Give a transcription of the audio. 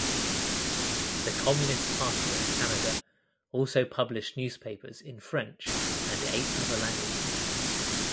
The Communist Party of Canada also published newspapers in French and eight other languages.